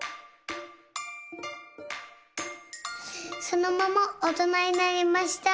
そのままおとなになりました。